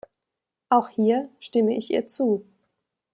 Auch hier stimme ich ihr zu.